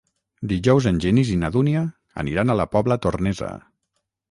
Dijous en Genís i na Dúnia aniran a la Pobla Tornesa.